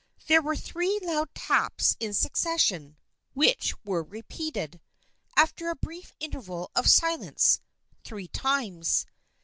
There were three loud taps in succession, which were repeated, after a brief in terval of silence, three times.